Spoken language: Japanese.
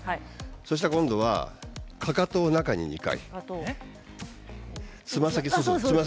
そしたら今度はかかとを中に２回。